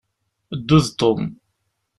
Ddu d Tom.